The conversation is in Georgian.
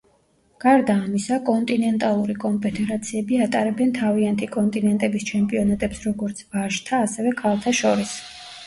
გარდა ამისა კონტინენტალური კონფედერაციები ატარებენ თავიანთი კონტინენტების ჩემპიონატებს როგორც ვაჟთა, ასევე ქალთა შორის.